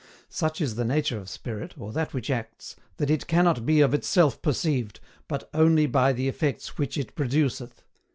Such is the nature of SPIRIT, or that which acts, that it cannot be of itself perceived, BUT ONLY BY THE EFFECTS WHICH IT PRODUCETH.